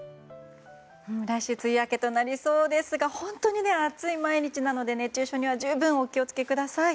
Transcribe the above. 来週梅雨明けとなりそうですが本当に暑い毎日なので熱中症には十分お気を付けください。